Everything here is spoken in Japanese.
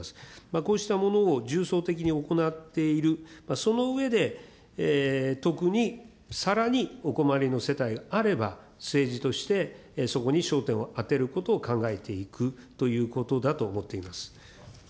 こうしたものを重層的に行っている、その上で、特にさらにお困りの世帯があれば、政治として、そこに焦点を当てることを考えていくということだと思っています。